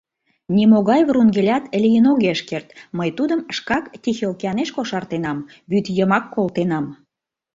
Нимогай Врунгелят лийын огеш керт, мый тудым шкак Тихий океанеш кошартенам — вӱд йымак колтенам.